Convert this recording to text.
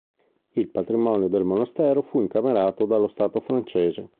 Il patrimonio del monastero fu incamerato dallo Stato francese.